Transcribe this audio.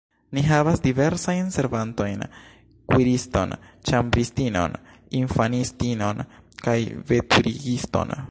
Ni havas diversajn servantojn: kuiriston, ĉambristinon, infanistinon kaj veturigiston.